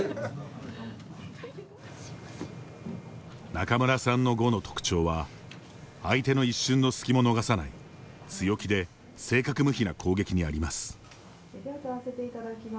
仲邑さんの碁の特徴は相手の一瞬の隙も逃さない強気で正確無比な攻撃にあります。